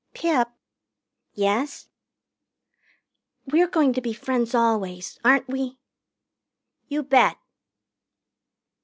"Pip " "Yes?" "We're going to be friends always, aren't we?" "You bet."